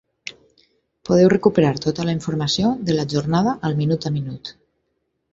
Podeu recuperar tota la informació de la jornada al minut-a-minut.